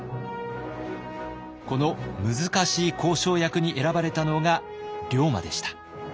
この難しい交渉役に選ばれたのが龍馬でした。